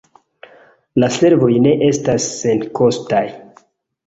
La servoj ne estas senkostaj.